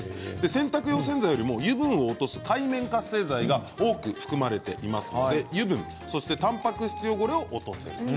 洗濯用洗剤よりも油分を落とす界面活性剤が多く含まれていますので油分たんぱく質汚れを落とすと。